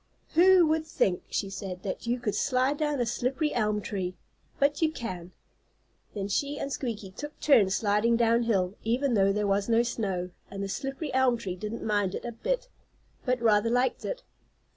"Who would think," she said, "that you could slide down a slippery elm tree? But you can." Then she and Squeaky took turns sliding down hill, even though there was no snow, and the slippery elm tree didn't mind it a bit, but rather liked it.